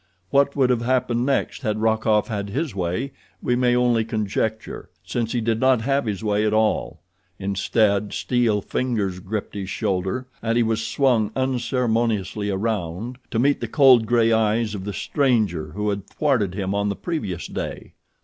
What would have happened next had Rokoff had his way we may only conjecture, since he did not have his way at all. Instead, steel fingers gripped his shoulder, and he was swung unceremoniously around, to meet the cold gray eyes of the stranger who had thwarted him on the previous day.